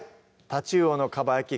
「タチウオのかばやき」